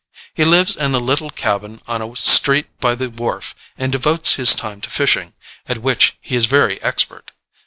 He lives in a little cabin on a street by the wharf, and devotes his time to fishing, at which he is very expert.